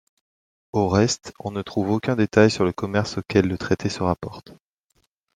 Au reste, on ne trouve aucun détail sur le commerce auquel le traité se rapporte.